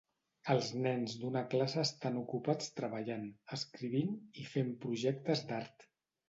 Els nens d'una classe estan ocupats treballant, escrivint i fent projectes d'art.